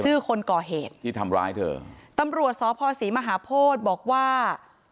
คนก่อเหตุที่ทำร้ายเธอตำรวจสพศรีมหาโพธิบอกว่า